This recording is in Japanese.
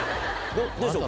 どうでしょう？